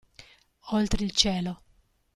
Oltre il cielo